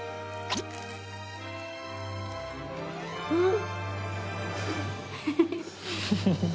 うん。